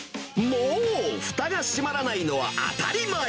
もうふたが閉まらないのは当たり前。